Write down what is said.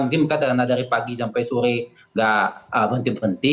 mungkin karena dari pagi sampai sore nggak berhenti berhenti